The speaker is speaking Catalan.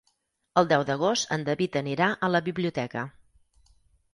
El deu d'agost en David anirà a la biblioteca.